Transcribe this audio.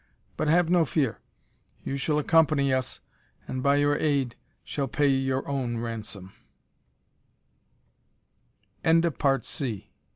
But have no fear. You shall accompany us, and, by your aid, shall pay your own r